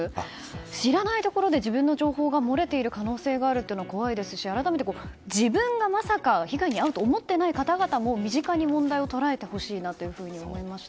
知らないところで自分の情報が漏れている可能性があるのは怖いですし自分がまさか被害に遭うと思っていない方も身近に捉えてほしいなという思いがありましたね。